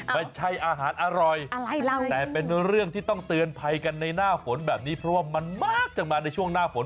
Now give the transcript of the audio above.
ไม่ใช่อาหารอร่อยแต่เป็นเรื่องที่ต้องเตือนภัยกันในหน้าฝนแบบนี้เพราะว่ามันมากจังมาในช่วงหน้าฝน